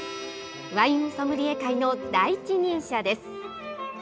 ワインソムリエ界の第一人者です。